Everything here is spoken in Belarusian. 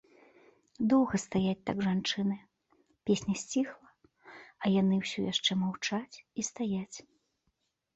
Доўга стаяць так жанчыны, песня сціхла, а яны ўсё яшчэ маўчаць і стаяць.